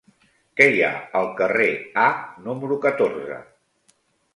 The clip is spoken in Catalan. Què hi ha al carrer A número catorze?